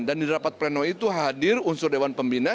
dan di rapat penelitian itu hadir unsur dewan pembina